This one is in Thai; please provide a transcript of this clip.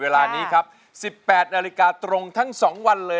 รายการต่อไปนี้เป็นรายการทั่วไปสามารถรับชมได้ทุกวัย